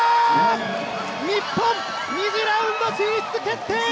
日本、２次ラウンド進出決定！